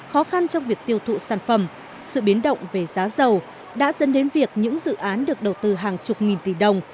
khó khăn trong việc tiêu thụ sản phẩm sự biến động về giá dầu đã dẫn đến việc những dự án được đầu tư hàng chục nghìn tỷ đồng